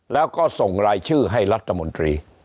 แล้วก็ส่งรายชื่อให้รัฐมนตรี